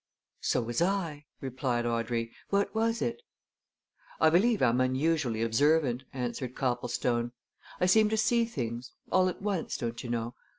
"So was I," replied Audrey. "What was it?" "I believe I'm unusually observant," answered Copplestone. "I seem to see things all at once, don't you know.